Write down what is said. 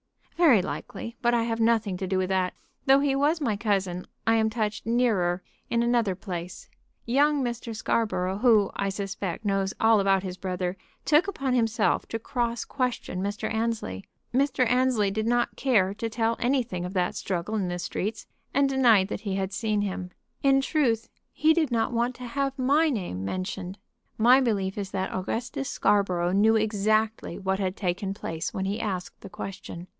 "Very likely. But I have nothing to do with that. Though he was my cousin, I am touched nearer in another place. Young Mr. Scarborough, who, I suspect, knows all about his brother, took upon himself to cross question Mr. Annesley. Mr. Annesley did not care to tell anything of that struggle in the streets, and denied that he had seen him. In truth, he did not want to have my name mentioned. My belief is that Augustus Scarborough knew exactly what had taken place when he asked the question.